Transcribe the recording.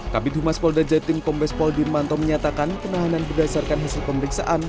kabinet humas polda jatim kompes poldir manto menyatakan penahanan berdasarkan hasil pemeriksaan